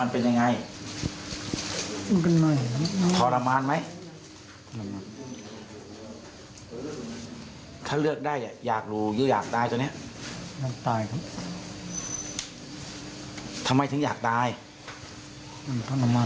พูดอีก๒คนไป